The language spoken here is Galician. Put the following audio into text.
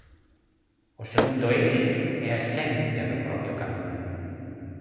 O segundo eixe é a esencia do propio Camiño.